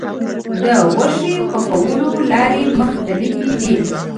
د غوښې پخولو لارې مختلفې دي.